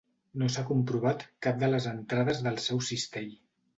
No s'ha comprovat cap de les entrades del seu cistell.